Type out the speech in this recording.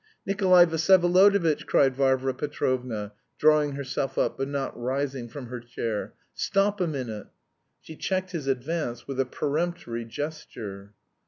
"Nikolay Vsyevolodovitch!" cried Varvara Petrovna, drawing herself up but not rising from her chair. "Stop a minute!" She checked his advance with a peremptory gesture.